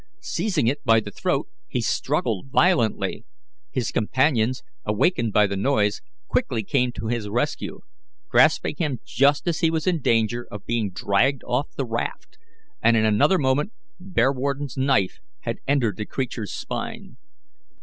Seizing it by the throat, he struggled violently. His companions, awakened by the noise, quickly came to his rescue, grasping him just as he was in danger of being dragged off the raft, and in another moment Bearwarden's knife had entered the creature's spine.